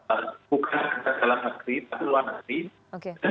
bukan untuk dalam negeri atau luar negeri